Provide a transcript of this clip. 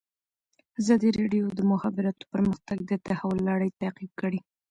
ازادي راډیو د د مخابراتو پرمختګ د تحول لړۍ تعقیب کړې.